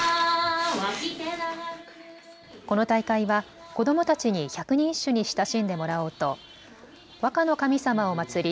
この大会は子どもたちに百人一首に親しんでもらおうと和歌の神様を祭り